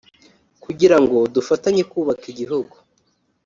kugira ngo dufatanye kubaka igihugu